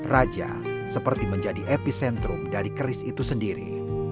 raja seperti menjadi epicentrum dari keris itu sendiri